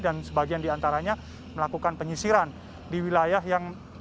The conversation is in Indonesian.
dan sebagian di antaranya melakukan penyisiran di wilayah yang